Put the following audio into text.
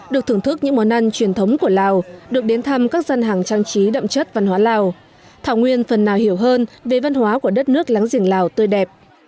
được thưởng thức những món ăn truyền thống của lào được đến thăm các gian hàng trang trí đậm chất văn hóa lào thảo nguyên phần nào hiểu hơn về văn hóa của đất nước láng giềng lào tươi đẹp